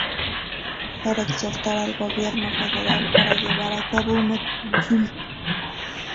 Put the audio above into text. Para exhortar al gobierno federal para llevar a cabo una consulta.